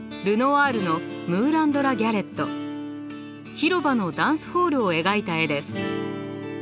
広場のダンスホールを描いた絵です。